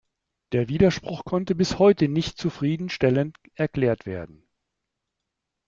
Der Widerspruch konnte bis heute nicht zufriedenstellend erklärt werden.